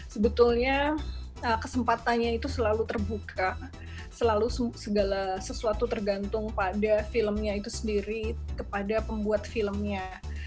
sebetulnya kesempatannya itu selalu terbuka selalu segala sesuatu tergantung pada filmnya itu sendiri kepada pembuat filmnya